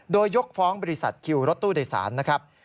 โดยยกฟ้องบริษัทคิวรถตู้โดยสารนะครับ